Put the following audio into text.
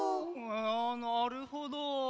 なるほど。